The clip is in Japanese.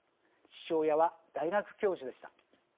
父親は大学教授でした。